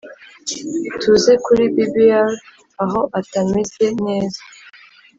tuze kuri bbr aho atameze neza